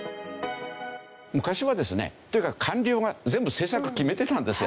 昔はですねとにかく官僚が全部政策決めてたんですよ。